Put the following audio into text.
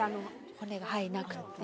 骨がはいなくて。